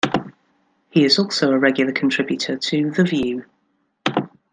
He is also a regular contributor to The View.